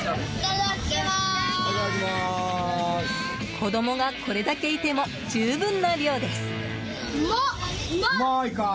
子供がこれだけいても十分な量です。